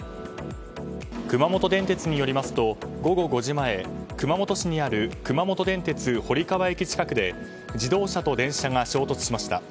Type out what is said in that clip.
熊本電鉄によりますと午後５時前熊本市にある熊本電鉄堀川駅前で自動車と電車が衝突しました。